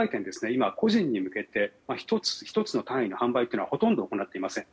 今、個人に向けて１つ１つの単位の販売というのはほとんど行っていません。